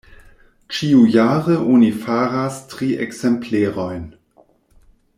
Ĉiujare oni faras tri ekzemplerojn.